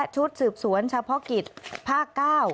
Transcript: ชุดสืบสวนเฉพาะกิจภาค๙